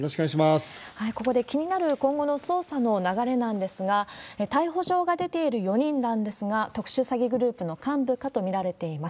ここで気になる今後の捜査の流れなんですが、逮捕状が出ている４人なんですが、特殊詐欺グループの幹部かと見られています。